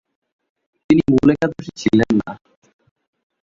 তিনি মূল একাদশে ছিলেন না।